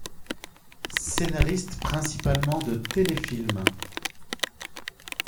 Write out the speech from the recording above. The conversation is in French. Scénariste principalement de téléfilms.